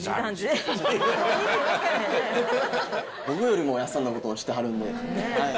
僕よりもおやっさんのことを知ってはるんで。